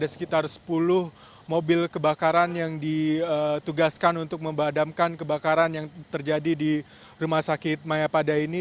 ada sekitar sepuluh mobil kebakaran yang ditugaskan untuk membadamkan kebakaran yang terjadi di rumah sakit mayapada ini